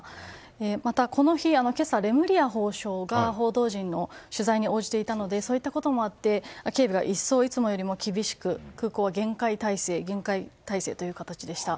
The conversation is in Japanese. また今朝、レムリヤ法相が報道陣の取材に応じていたのでそういったこともあって警備が一層いつもよりも厳しく空港は厳戒態勢という形でした。